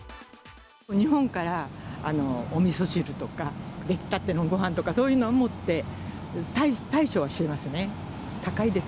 日本からおみそ汁とか、出来たてのごはんとか、そういうのを持って対処はしてますね。